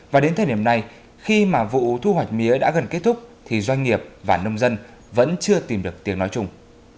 và đến thời điểm này khi mà vụ thu hoạch mía đã gần kết thúc thì doanh nghiệp và nông dân vẫn chưa tìm được tiếng nói chung